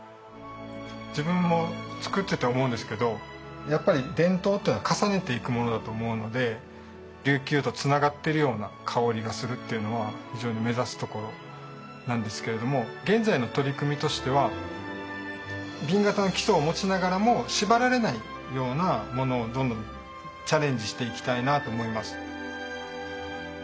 自分も作ってて思うんですけどやっぱり伝統っていうのは重ねていくものだと思うので琉球とつながっているような薫りがするっていうのは非常に目指すところなんですけれども現在の取り組みとしては紅型の基礎を持ちながらも縛られないようなものをどんどんチャレンジしていきたいなと思います。